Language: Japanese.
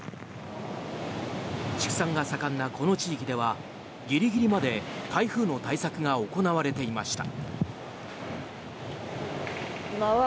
畜産が盛んなこの地域ではギリギリまで台風の対策が行われていました。